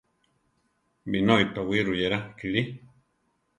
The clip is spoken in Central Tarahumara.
Binói towí ruyéra kili.